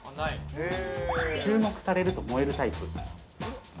注目されると燃えるタイプ。